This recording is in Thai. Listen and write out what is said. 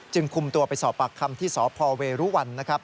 คุมตัวไปสอบปากคำที่สพเวรุวันนะครับ